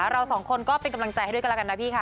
เราสองคนก็เป็นกำลังใจให้ด้วยกันแล้วกันนะพี่ค่ะ